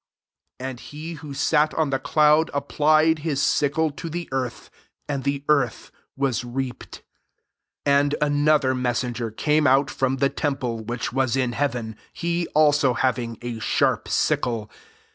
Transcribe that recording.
16 And he who sat on the cloud applied his sickle to the earth ; and the earth was reaped. 17 And another messenger came out from the temple which ivaa in heaven, he also having a sharp sickle.